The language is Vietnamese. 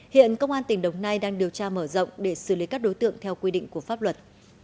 hiện công an tỉnh đồng nai đang điều tra mở rộng để xử lý các đối tượng theo quy định của pháp luật